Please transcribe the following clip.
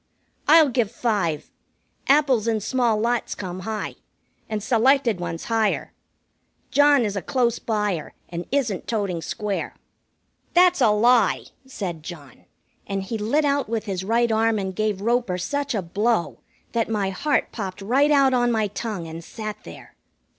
"I'll give five. Apples in small lots come high, and selected ones higher. John is a close buyer, and isn't toting square." "That's a lie!" said John, and he lit out with his right arm and gave Roper such a blow that my heart popped right out on my tongue and sat there.